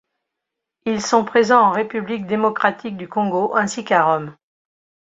Ils sont présents en République démocratique du Congo ainsi qu'à Rome.